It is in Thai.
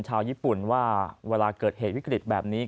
ชาวญี่ปุ่นว่าเวลาเกิดเหตุวิกฤตแบบนี้